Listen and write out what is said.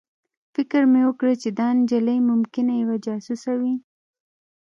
فکر مې وکړ چې دا نجلۍ ممکنه یوه جاسوسه وي